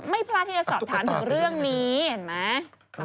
ไม่พลาดที่จะสอบถามถึงเรื่องนี้เห็นไหม